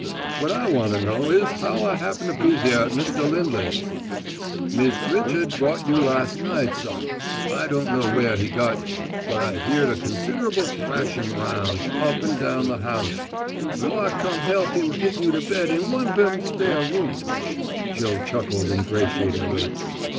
"What I want to know is how I happened to be here at Mr. Lindley's." "Mist' Richard brought you las' night, suh. I don' know where he got you, but I heered a considerable thrashum aroun', up an' down the house, an' so I come help him git you to bed in one vem spare rooms." Joe chuckled ingratiatingly.